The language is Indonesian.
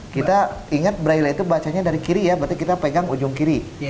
kita ingat braille itu bacanya dari kiri ya berarti kita pegang ujung kiri